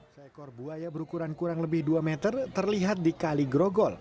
seekor buaya berukuran kurang lebih dua meter terlihat di kali grogol